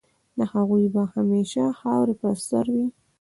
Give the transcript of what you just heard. د هغوی به همېشه خاوري په سر وي